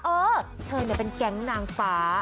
เออเธอเนี่ยเป็นแก๊งนางฟ้า